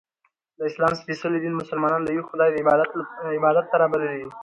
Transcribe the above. د اسلام څپېڅلي دین ملسلمانان د یوه خدایﷻ عبادت ته رابللي